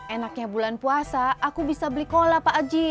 enaknya bulan puasa aku bisa beli kola pak aji